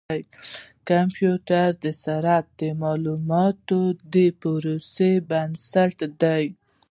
د کمپیوټر سرعت د معلوماتو د پروسس بنسټ دی.